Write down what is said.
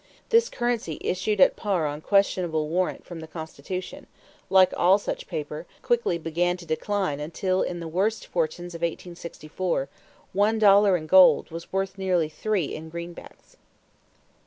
This currency issued at par on questionable warrant from the Constitution, like all such paper, quickly began to decline until in the worst fortunes of 1864 one dollar in gold was worth nearly three in greenbacks.